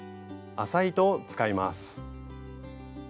麻糸を使います。